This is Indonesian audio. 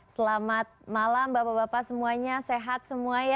selamat malam bapak bapak semuanya sehat semua ya